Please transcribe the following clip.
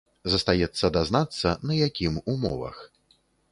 Застаецца дазнацца, на якім умовах.